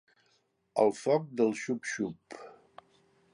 El foc del xup xup.